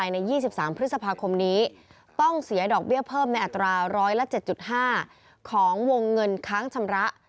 ใน๒๓พฤษภาคมนี้ต้องเสียดอกเบี้ยเพิ่มในอัตรา๑๐๗๕ของวงเงินค้างชำระ